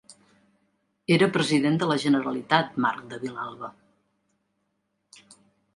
Era President de la Generalitat Marc de Vilalba.